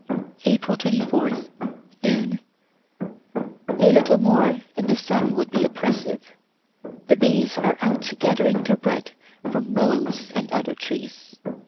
April 24 Noon. A little more and the sun would be oppressive. The bees are out gathering their bread from willows and other trees.